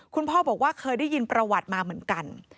คุณพ่อบอกว่าเคยได้ยินประวัติมาเหมือนกัน